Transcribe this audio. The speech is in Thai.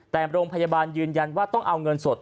แต่โรงพยาบาลยืนยันว่าต้องเอาเงินสด